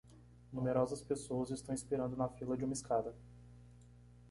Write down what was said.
Numerosas pessoas estão esperando na fila de uma escada.